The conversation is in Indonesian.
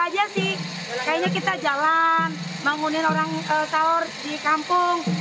kayaknya kita jalan membangun orang sahur di kampung